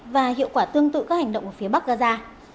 và hiệu quả tương tự các hành động ở phía bắc gaza